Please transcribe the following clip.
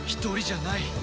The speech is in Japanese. １人じゃない！